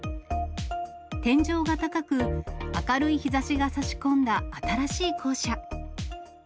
天井が高く、明るい日ざしが差し込んだ新しい校舎。